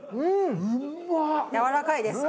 やわらかいですか？